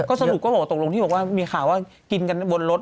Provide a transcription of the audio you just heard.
ก็สรุปก็ตกลงที่บอกว่ามีข่าวว่ากินกั้นบนรถนะ